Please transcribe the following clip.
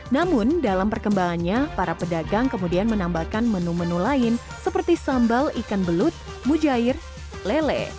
namun dalam perkembangannya para pedagang kemudian menambahkan menu menu lain seperti sambal ikan belut mujair lele